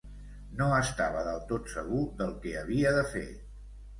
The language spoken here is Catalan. No estava del tot segur del que havia de fer.